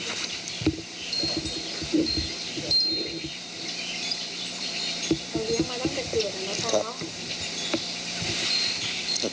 เขาเลี้ยงมาตั้งแต่เกือบแล้วนะครับ